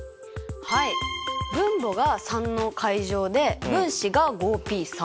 はい分母が３の階乗で分子がＰ。